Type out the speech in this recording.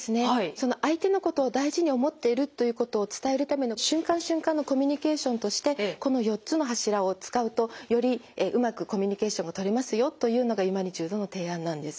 その相手のことを大事に思っているということを伝えるための瞬間瞬間のコミュニケーションとしてこの４つの柱を使うとよりうまくコミュニケーションが取れますよというのがユマニチュードの提案なんです。